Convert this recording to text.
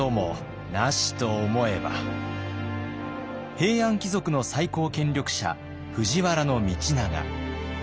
平安貴族の最高権力者藤原道長。